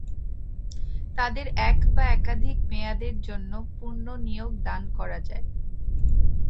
তাদের এক বা একাধিক মেয়াদের জন্য পুনঃনিয়োগ দান করা যায়।